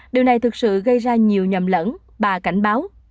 điều này thực sự gây ra nhiều nhầm lẫn bà cảnh báo